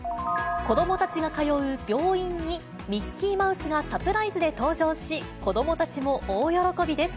子どもたちが通う病院にミッキーマウスがサプライズで登場し、子どもたちも大喜びです。